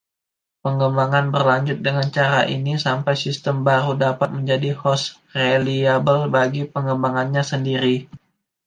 Pengembangan berlanjut dengan cara ini sampai sistem baru dapat menjadi hos reliabel bagi pengembangannya sendiri.